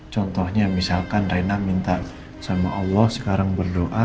contohnya misalkan raina minta sama allah sekarang berdoa